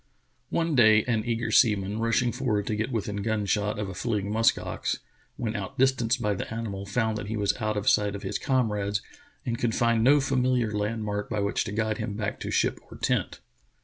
One day an eager seaman, rushing forward to get within gun shot of a fleeting musk ox, when outdis tanced by the animal found that he was out of sight of his comrades and could find no familiar landmark by which to guide him back to ship or tent.